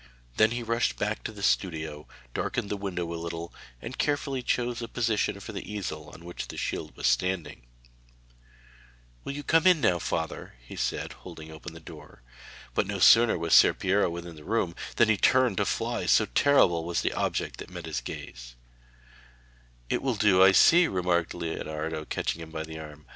Then he rushed back to the studio, darkened the window a little, and carefully chose a position for the easel on which the shield was standing. [Illustration: LEONARDO FRIGHTENS HIS FATHER WITH THE MONSTER PAINTED ON HIS SHIELD.] 'Will you come in now, father?' he said holding open the door, but no sooner was Ser Piero within the room than he turned to fly, so terrible was the object that met his gaze. 'It will do, I see,' remarked Leonardo, catching him by the arm.